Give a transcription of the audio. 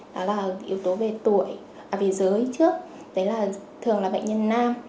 đó là yếu tố về tuổi về giới trước đấy là thường là bệnh nhân nam